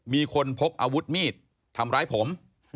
มีคนพกอาวุธมีดทำร้ายผม